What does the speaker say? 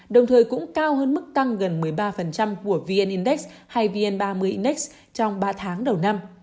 đồng thời cũng cao hơn mức tăng gần một mươi ba của vn index hay vn ba mươi inex trong ba tháng đầu năm